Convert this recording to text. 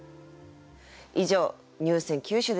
以上入選九首でした。